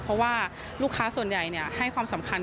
เพราะว่าลูกค้าส่วนใหญ่ให้ความสำคัญ